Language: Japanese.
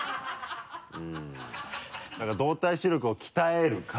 うんだから動体視力を鍛えるか。